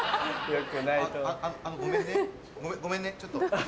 ああのごめんねごめんねちょっといい？